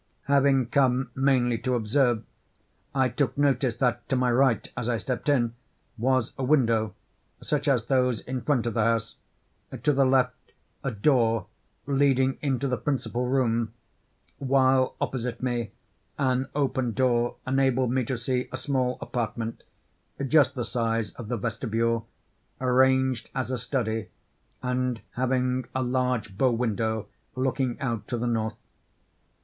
Having come mainly to observe, I took notice that to my right as I stepped in, was a window, such as those in front of the house; to the left, a door leading into the principal room; while, opposite me, an open door enabled me to see a small apartment, just the size of the vestibule, arranged as a study, and having a large bow window looking out to the north.